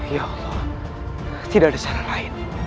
ya allah tidak ada saran lain